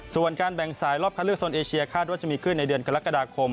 ส่วนการแบ่งสายรอบคัดเลือกโซนเอเชียคาดว่าจะมีขึ้นในเดือนกรกฎาคม